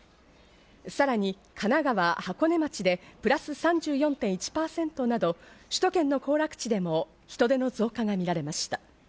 さらに神奈川・箱根町でプラス３４．１％など首都圏の行楽地でも人出の増加が見られました。